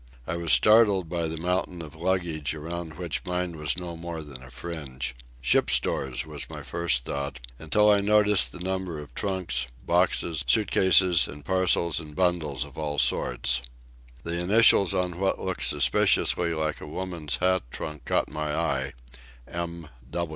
I was startled by the mountain of luggage around which mine was no more than a fringe. Ship's stores, was my first thought, until I noted the number of trunks, boxes, suit cases, and parcels and bundles of all sorts. The initials on what looked suspiciously like a woman's hat trunk caught my eye—"M.